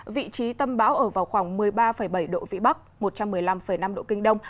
vị trí tâm bão ở vào khoảng một mươi ba bảy độ vĩ bắc một trăm một mươi năm năm độ kinh đông